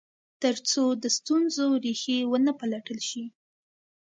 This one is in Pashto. تر څو د ستونزو ریښې و نه پلټل شي.